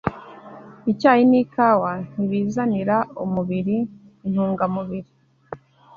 Icyayi n’ikawa ntibizanira umubiri intungamubiri.